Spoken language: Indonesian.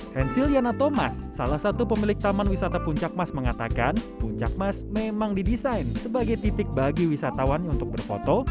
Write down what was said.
hansiliana thomas salah satu pemilik taman wisata puncak mas mengatakan puncak mas memang didesain sebagai titik bagi wisatawan untuk berfoto